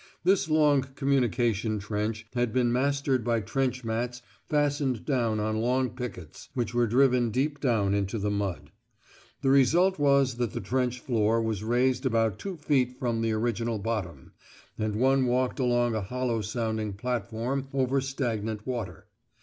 This long communication trench had been mastered by trench mats fastened down on long pickets which were driven deep down into the mud. The result was that the trench floor was raised about two feet from the original bottom, and one walked along a hollow sounding platform over stagnant water.